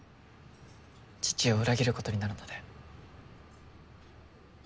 父を裏切ることになるので。